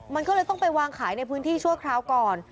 มันก็เลยต้องไปวางขายในพื้นที่ชั่วคราวก่อน